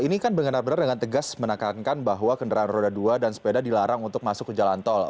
ini kan benar benar dengan tegas menekankan bahwa kendaraan roda dua dan sepeda dilarang untuk masuk ke jalan tol